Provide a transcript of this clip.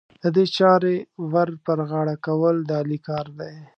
د دې چارې ور پر غاړه کول، د علي کار دی.